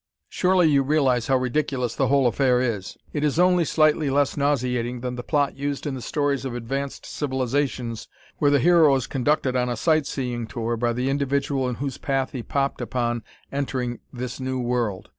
Surely you realize how ridiculous the whole affair is. It is only slightly less nauseating than the plot used in the stories of advanced civilizations where the hero is conducted on a sight seeing tour by the individual in whose path he popped upon entering this new world.